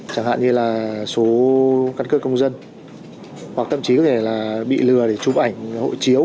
chẳng hạn như là số căn cơ công dân hoặc thậm chí có thể là bị lừa để chụp ảnh hộ chiếu